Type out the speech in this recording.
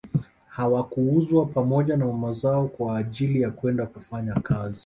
Hawakuuzwa pamoja na mama zao kwa ajili ya kwenda kufanya kazi